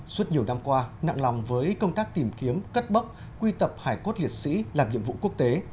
suốt nhiều năm qua nặng lòng với công tác tìm kiếm cất bốc quy tập hải cốt liệt sĩ làm nhiệm vụ quốc tế